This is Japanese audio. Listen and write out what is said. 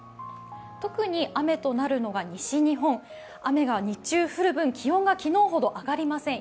特に雨となるのが西日本、雨が日中、降る分、気温が昨日ほど上がりません。